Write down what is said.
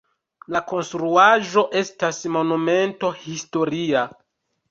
La konstruaĵo estas Monumento historia.